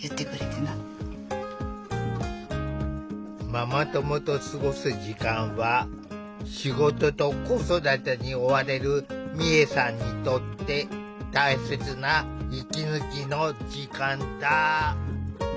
ママ友と過ごす時間は仕事と子育てに追われる美恵さんにとって大切な息抜きの時間だ。